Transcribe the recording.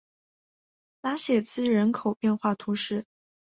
拉谢兹人口变化图示